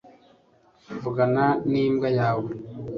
uvugana n'imbwa yawe